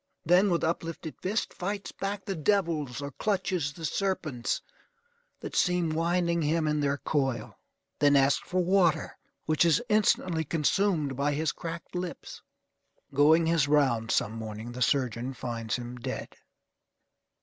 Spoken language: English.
Then, with uplifted fist, fights back the devils, or clutches the serpents that seem winding him in their coil. Then asks for water, which is instantly consumed by his cracked lips. Going his round some morning, the surgeon finds him dead.